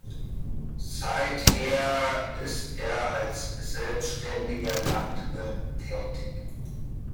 Seither ist er als selbständiger Landwirt tätig.